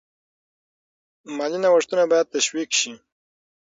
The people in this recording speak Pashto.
مالي نوښتونه باید تشویق شي.